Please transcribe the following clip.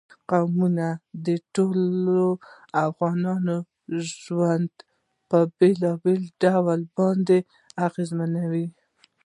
قومونه د ټولو افغانانو ژوند په بېلابېلو ډولونو باندې اغېزمنوي.